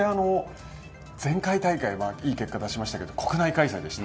前回大会はいい結果を出しましたが国内開催でした。